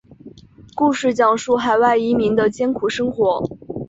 故事讲述海外移民的艰苦生活。